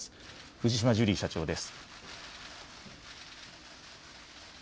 藤島ジュリー社長です。